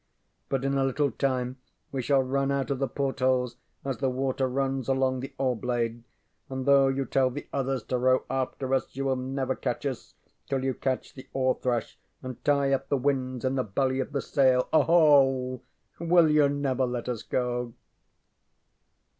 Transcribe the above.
_ But in a little time we shall run out of the portholes as the water runs along the oarblade, and though you tell the others to row after us you will never catch us till you catch the oar thresh and tie up the winds in the belly of the sail. Aho! _Will you never let us go?